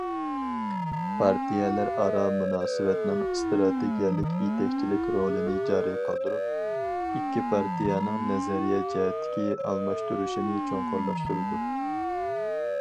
پارتىيەلەر ئارا مۇناسىۋەتنىڭ ئىستراتېگىيەلىك يېتەكچىلىك رولىنى جارى قىلدۇرۇپ، ئىككى پارتىيەنىڭ نەزەرىيە جەھەتتىكى ئالماشتۇرۇشىنى چوڭقۇرلاشتۇرىدۇ.